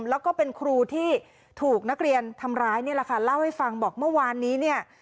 แล้วก็เป็นครูที่ถูกนักเรียนทำร้ายนี่แหละค่ะเล่าให้ฟังบอกเมื่อวานนี้เนี่ย